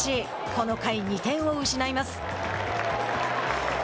この回、２点を失います。